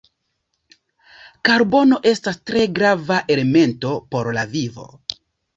Karbono estas tre grava elemento por la vivo.